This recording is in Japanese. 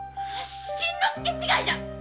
“しんのすけ”違いじゃ！